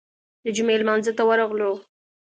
د جمعې لمانځه ته ورغلو.